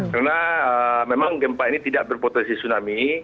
karena memang gempa ini tidak berpotensi tsunami